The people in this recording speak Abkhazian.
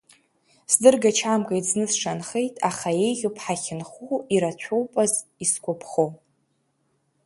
Сдыргачамкит, зны сшанхеит, аха еиӷьуп ҳахьынхо, ирацәоупаз исгәаԥхо.